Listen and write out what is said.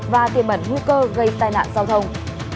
và tiền bẩn ngu cơ gây tai nạn giao thông